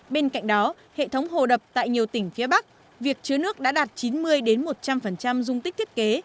bên cạnh đó hệ thống hồ đập tại nhiều tỉnh phía bắc việc chứa nước đã đạt chín mươi một trăm linh dung tích thiết kế